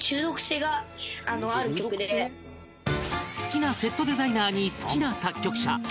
好きなセットデザイナーに好きな作曲者？